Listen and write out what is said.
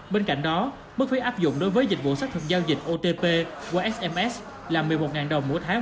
bên cạnh đó mức phí áp dụng đối với dịch vụ xác thực giao dịch otp qua sms là một mươi một đồng mỗi tháng